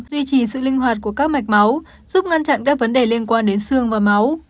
duy trì sự linh hoạt của các mạch máu giúp ngăn chặn các vấn đề liên quan đến xương và máu